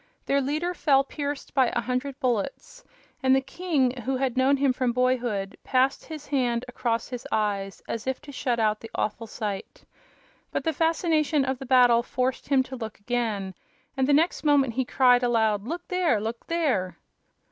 Their leader fell pierced by a hundred bullets, and the king, who had known him from boyhood, passed his hand across his eyes as if to shut out the awful sight. But the fascination of the battle forced him to look again, and the next moment he cried aloud: "Look there! Look there!"